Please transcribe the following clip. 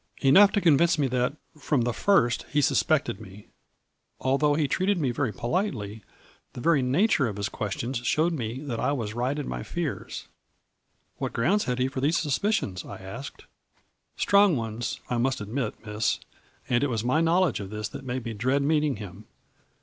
"' Enough to convince me that, from the first, he suspected me. Although he treated me very politely the very nature of his ques tions showed me that I was right in my fears.' " 4 What grounds had he for these suspi cions ?" I asked. "' Strong ones, I must admit, Miss, and it was my knowledge of this that made me dread meeting him.